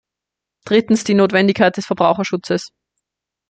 Drittens die Notwendigkeit des Verbraucherschutzes.